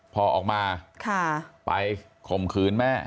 พอออกมาไปข่มขืนแม่